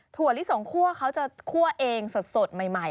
ถั่ลิสงคั่วเขาจะคั่วเองสดใหม่